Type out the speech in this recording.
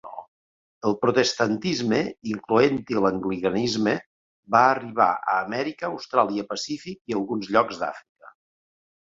El protestantisme, incloent-hi l'anglicanisme, va arribar a Amèrica, Austràlia-Pacífic i alguns llocs d'Àfrica.